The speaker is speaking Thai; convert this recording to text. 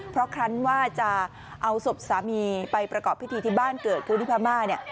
เพราะครั้นว่าจะเอาศพสามีไปประกอบพิธีที่บ้านเกิดคนที่พม่าเนี่ย